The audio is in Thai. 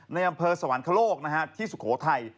ในบรรพ์สวรรคโลกที่สุโขทัย